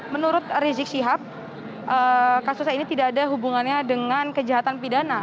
menurut rizik syihab kasusnya ini tidak ada hubungannya dengan kejahatan pidana